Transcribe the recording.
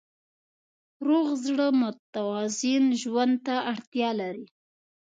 روغ زړه متوازن ژوند ته اړتیا لري.